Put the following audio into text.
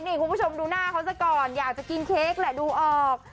นี่คุณผู้ชมดูหน้าเขาซะก่อนอยากจะกินเค้กแหละดูออก